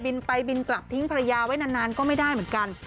ไปบินกลับทิ้งภรรยาไว้นานก็ไม่ได้เหมือนกัน